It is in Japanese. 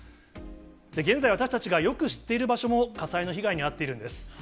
現在、私たちがよく知っている場所も火災の被害に遭っているんです。